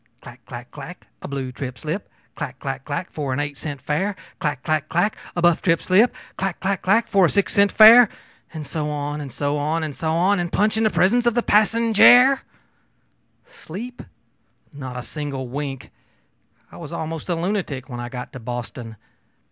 'Clack clack clack, a blue trip slip, clack clack clack, for an eight cent fare; clack clack clack, a buff trip slip, clack clack clack, for a six cent fare, and so on, and so on, and so on punch in the presence of the passenjare!' Sleep? Not a single wink! I was almost a lunatic when I got to Boston.